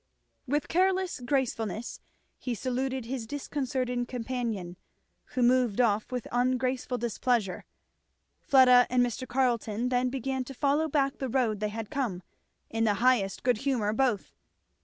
With careless gracefulness he saluted his disconcerted companion, who moved off with ungraceful displeasure. Fleda and Mr. Carleton then began to follow back the road they had come, in the highest good humour both.